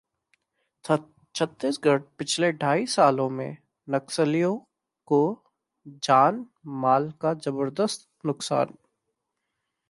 छत्तीसगढ़: पिछले ढाई सालों में नक्सलियों को जान-माल का जबरदस्त नुकसान